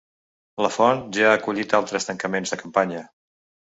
La font ja ha acollit altres tancaments de campanya.